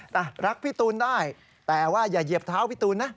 รักพี่ตูนได้แต่ว่าอย่าเหยียบเท้าพี่ตูนนะ